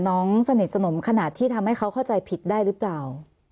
สนิทสนมขนาดที่ทำให้เขาเข้าใจผิดได้หรือเปล่า